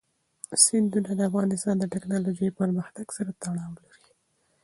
سیندونه د افغانستان د تکنالوژۍ پرمختګ سره تړاو لري.